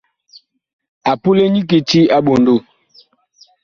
A pule nyi kiti a ɓondoo.